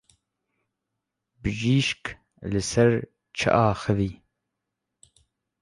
Bijîşk li ser çi axivî?